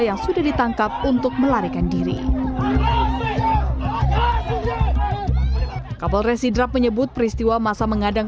yang sudah ditangkap untuk melarikan diri kapolres sidrap menyebut peristiwa masa mengadang